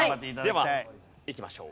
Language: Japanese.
ではいきましょう。